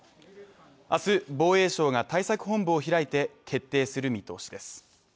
明日防衛省が対策本部を開いて決定する見通しです。